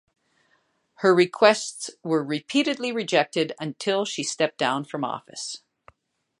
Her requests were repeatedly rejected until she stepped down from office.